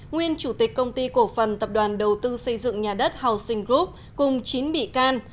nguyên chủ tịch công ty cổ phần tập đoàn đầu tư xây dựng nhà đất housing group cùng chín bị can